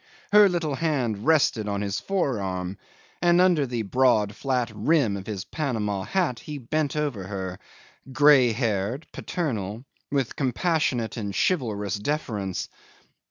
Her little hand rested on his forearm, and under the broad, flat rim of his Panama hat he bent over her, grey haired, paternal, with compassionate and chivalrous deference.